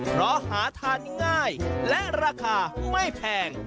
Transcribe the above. เพราะหาทานง่ายและราคาไม่แพง